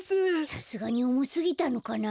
さすがにおもすぎたのかな。